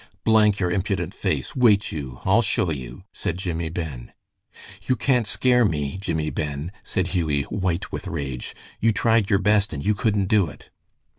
"Blank your impudent face! Wait you! I'll show you!" said Jimmie Ben. "You can't scare me, Jimmie Ben," said Hughie, white with rage. "You tried your best and you couldn't do it."